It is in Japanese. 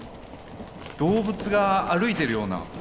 動物が歩いてるような。